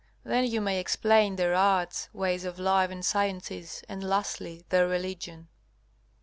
Then you may explain their arts, ways of life and sciences, and lastly their religion.